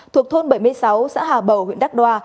thuộc thôn bảy mươi sáu xã hà bầu huyện đắk đoa